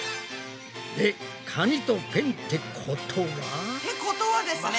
で紙とペンってことは？ってことはですね。